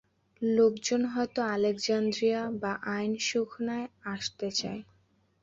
লোকজন হয়ত আলেকজান্দ্রিয়া বা আইন সুখনায় আসতে চায়।